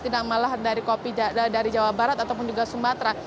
tidak malah dari jawa barat ataupun juga sumatera